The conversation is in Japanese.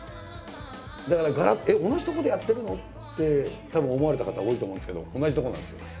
だから「同じとこでやってるの？」ってたぶん思われた方多いと思うんですけど同じとこなんですよ。